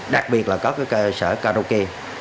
đặc biệt là các cơ sở karaoke